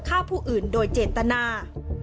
ฆ่าผู้อื่นโดยเจตนา